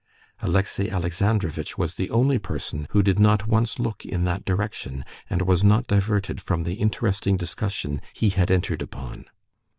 Alexey Alexandrovitch was the only person who did not once look in that direction, and was not diverted from the interesting discussion he had entered upon.